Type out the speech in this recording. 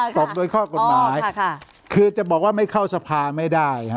ตกโดยข้อกฎหมายอ๋อค่ะค่ะคือจะบอกว่าไม่เข้าสภาไม่ได้ฮะ